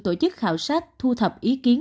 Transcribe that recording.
tổ chức khảo sát thu thập ý kiến